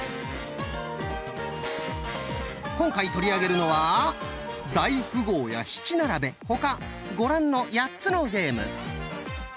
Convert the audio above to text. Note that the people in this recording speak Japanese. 今回取り上げるのは大富豪や七並べ他ご覧の８つのゲーム。